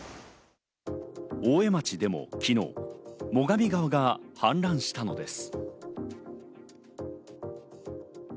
大江町でも昨日、最上川が氾濫したのです。